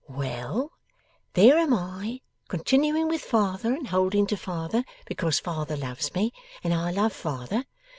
'Well! There am I, continuing with father and holding to father, because father loves me and I love father.